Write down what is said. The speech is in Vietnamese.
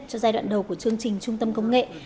cho giai đoạn đầu của chương trình trung tâm công nghệ